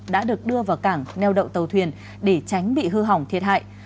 đã được đưa vào cảng neo đậu tàu thuyền để tránh bị hư hỏng thiệt hại